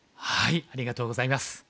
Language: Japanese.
ありがとうございます。